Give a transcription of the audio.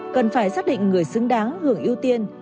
cần phải xác định người xứng đáng hưởng ưu tiên